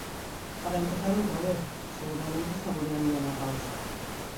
Para empezar outra vez, seguramente saboreando unha pausa.